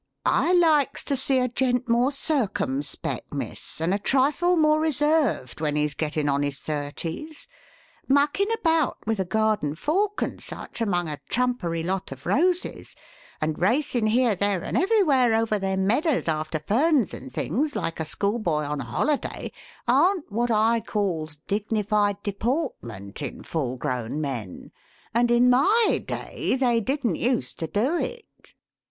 'I likes to see a gent more circumpec', miss, and a trifle more reserved when he's gettin' on his thirties. Muckin' about with a garden fork and such among a trumpery lot of roses, and racin' here, there, and everywhere over them medders after ferns and things, like a schoolboy on a holiday, aren't what I calls dignified deportment in full grown men, and in my day they didn't use to do it!'